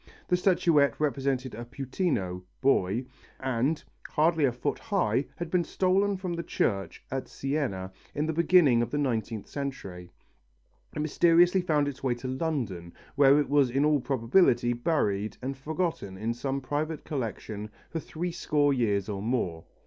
The statuette represented a puttino (boy) and, hardly a foot high, had been stolen from the church at Siena in the beginning of the nineteenth century. It mysteriously found its way to London, where it was in all probability buried and forgotten in some private collection for three score years or more.